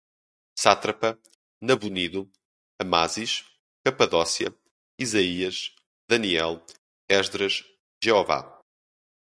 Sátrapa, Nabonido, Amásis, Capadócia, Isaías, Daniel, Esdras, Jeová